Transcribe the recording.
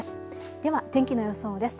では天気の予想です。